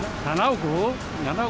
７億？